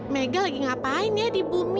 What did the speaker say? mega lagi ngapain ya di bumi